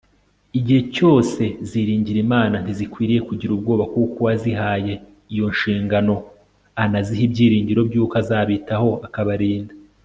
Igihe cyose ziringira Imana ntizikwiriye kugira ubwoba kuko uwazihaye iyo nshingano anaziha ibyiringiro byuko azabitaho akabarinda